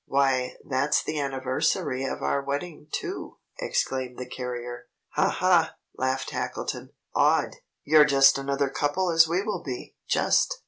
"Why, that's the anniversary of our wedding, too!" exclaimed the carrier. "Ha, ha!" laughed Tackleton. "Odd! You're just such another couple as we will be! Just!"